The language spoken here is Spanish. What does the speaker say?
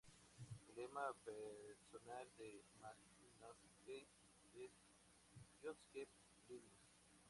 El lema personal de McConaughey es "Just Keep Living".